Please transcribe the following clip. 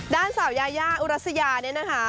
ด้านสาวยายาอุรัสยาเนี่ยนะคะ